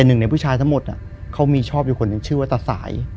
เห็นผู้ชายทั้งหมดเขามีชอบอยู่คนชื่อว่าตะสาย